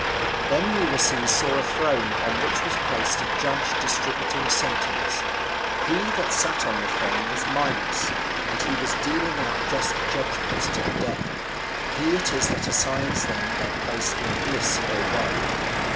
Then Ulysses saw a throne on which was placed a judge distributing sentence. He that sat on the throne was Minos, and he was dealing out just judgments to the dead. He it is that assigns them their place in bliss or woe.